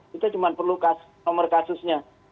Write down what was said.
kita cuma perlu nomor kasusnya